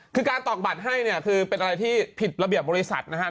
คือการตอกบัตรให้เนี่ยคือเป็นอะไรที่ผิดระเบียบบริษัทนะครับ